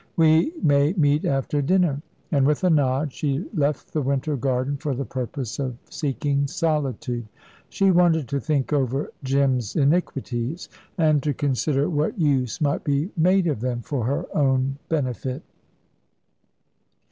We may meet after dinner," and, with a nod, she left the winter garden for the purpose of seeking solitude. She wanted to think over Jim's iniquities, and to consider what use might be made of them for her own benefit.